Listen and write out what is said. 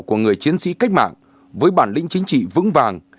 của người chiến sĩ cách mạng với bản lĩnh chính trị vững vàng